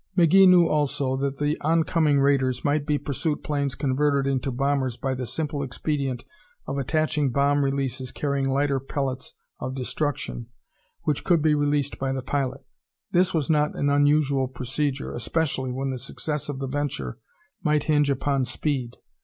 McGee knew, also, that the oncoming raiders might be pursuit planes converted into bombers by the simple expedient of attaching bomb releases carrying lighter pellets of destruction which could be released by the pilot. This was not an unusual procedure, especially when the success of the venture might hinge upon speed.